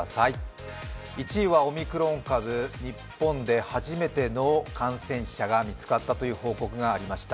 １位はオミクロン株、日本で初めての感染者が見つかったという報告がありました。